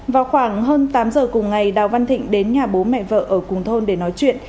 vào khoảng hơn tám giờ cùng ngày đào văn thịnh đến nhà bố mẹ vợ ở cùng thôn để nói chuyện